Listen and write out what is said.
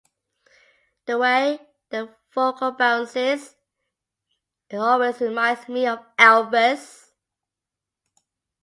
The way the vocal bounces, it always reminds me of Elvis.